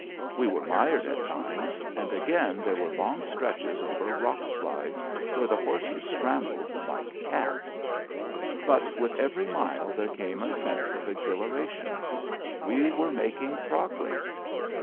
We were mired at times, and again there were long stretches over rock slides, where the horses scrambled like cats. But with every mile there came a sense of exhilaration. We were making progress.